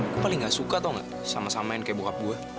gue paling gak suka tau gak sama samain kayak bokap gue